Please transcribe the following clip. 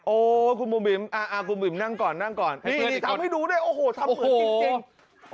โอ้คุณบุ๋มคุณบิ๋มนั่งก่อนนั่งก่อนนี่ทำให้ดูด้วยโอ้โหทำเหมือนจริง